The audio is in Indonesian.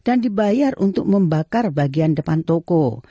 dan dibayar untuk membakar bagian depan toko